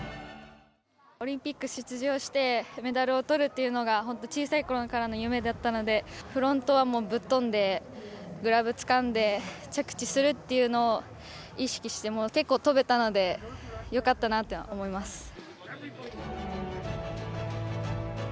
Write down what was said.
オリンピック出場してメダルをとるっていうのが本当、小さいころからの夢だったのでフロントはぶっとんでグラブつかんで着地するというのを意識して結構とべたのでよかったなと思います。